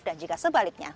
dan jika sebaliknya